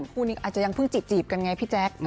คู่นี้อาจจะยังเพิ่งจีบกันไงพี่แจ๊ค